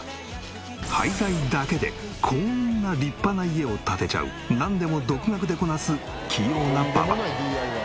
廃材だけでこんな立派な家を建てちゃうなんでも独学でこなす器用なパパ。